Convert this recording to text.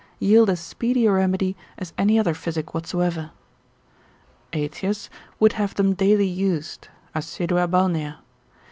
yield as speedy a remedy as any other physic whatsoever. Aetius would have them daily used, assidua balnea, Tetra.